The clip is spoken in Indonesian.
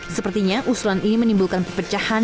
sepertinya usulan ini menimbulkan perpecahan